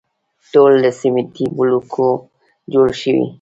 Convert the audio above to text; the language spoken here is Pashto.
ټول له سیمټي بلوکو جوړ شوي.